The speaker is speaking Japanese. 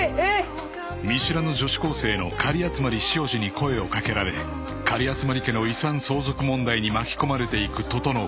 ［見知らぬ女子高生の狩集汐路に声を掛けられ狩集家の遺産相続問題に巻き込まれていく整］